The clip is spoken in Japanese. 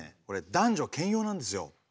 これ男女兼用なんですよ。